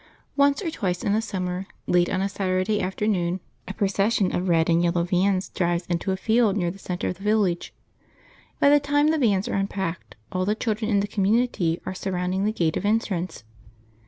Once or twice in a summer, late on a Saturday afternoon, a procession of red and yellow vans drives into a field near the centre of the village. By the time the vans are unpacked all the children in the community are surrounding the gate of entrance.